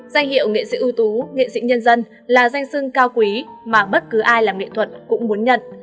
danh hiệu nghệ sĩ ưu tú nghệ sĩ nhân dân là danh sưng cao quý mà bất cứ ai làm nghệ thuật cũng muốn nhận